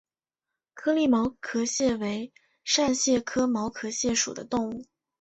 颗粒毛壳蟹为扇蟹科毛壳蟹属的动物。